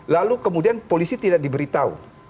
lalu kemudian polisi tidak diberitahu